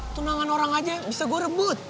tunangan orang aja bisa gue rebut